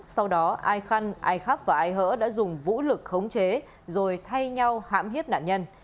sau đó ai khăn ai khắc và ai hỡ đã dùng vũ lực khống chế rồi thay nhau hãm hiếp nạn nhân